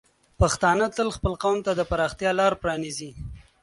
پښتانه تل خپل قوم ته د پراختیا لار پرانیزي.